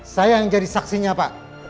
saya yang jadi saksinya pak